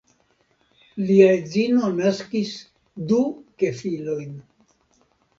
Lia edzino naskis du gefilojn.